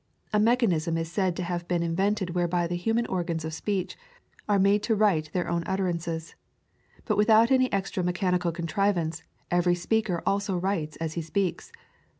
A mechan ism is said to have been invented whereby the human organs of speech are made to write their own utterances. But without any extra mechanical contrivance, every speaker also writes as he speaks.